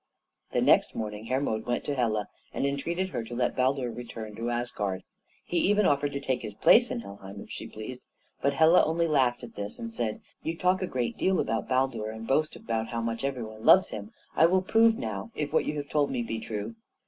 The next morning Hermod went to Hela, and entreated her to let Baldur return to Asgard. He even offered to take his place in Helheim if she pleased; but Hela only laughed at this and said: "You talk a great deal about Baldur, and boast how much every one loves him; I will prove now if what you have told me be true.